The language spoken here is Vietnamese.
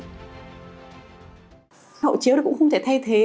hộ chiếu cũng không thể thay thế